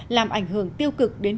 làm ảnh hưởng tiêu cực đến